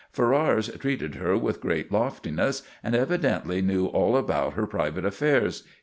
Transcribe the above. Ferrars treated her with great loftiness, and evidently knew all about her private affairs.